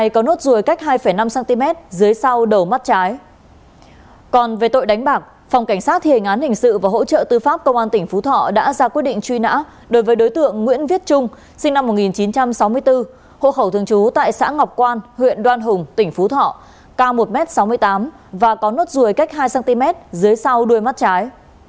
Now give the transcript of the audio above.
công an tỉnh phú thọ đã ra quyết định truy nã đối với đối tượng nguyễn viết trung sinh năm một nghìn chín trăm sáu mươi bốn hộ khẩu thường trú tại xã ngọc quan huyện đoan hùng tỉnh phú thọ ca một m sáu mươi tám và có nốt ruồi cách hai cm dưới sau đuôi mắt trái